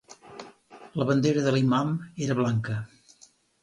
La bandera de l'imam era blanca.